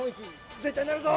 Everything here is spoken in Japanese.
絶対なるぞ！